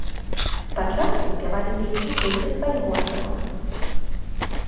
Спачатку спявалі песні толькі свайго раёна.